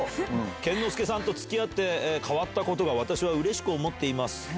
健之介さんとつきあって変わったことが私はうれしく思っています。